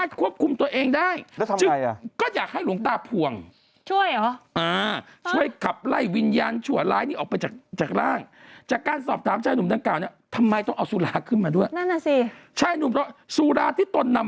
ต้นเองเดินทางอาพิพิษภัณฑ์หลวงตาภวงเนี่ย